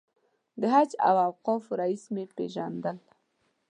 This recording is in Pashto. د حج او اوقافو رییس مې پېژندل.